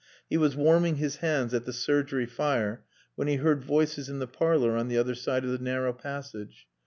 He was warming his hands at the surgery fire when he heard voices in the parlor on the other side of the narrow passage.